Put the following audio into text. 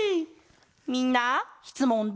みんなしつもん